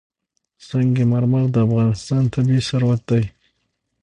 سنگ مرمر د افغانستان طبعي ثروت دی.